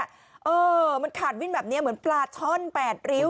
อ้าวมันขันวิ่งแบบนี้เหมือนปลาช่อน๘ริว